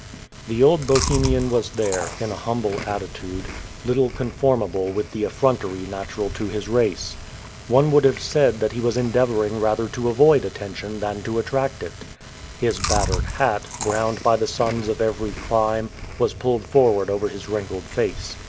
The old Bohemian was there, in a humble attitude, little conformable with the effrontery natural to his race. One would have said that he was endeavoring rather to avoid attention than to attract it. His battered hat, browned by the suns of every clime, was pulled forward over his wrinkled face.